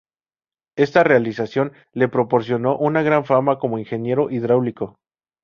Esta realización le proporcionó una gran fama como ingeniero hidráulico.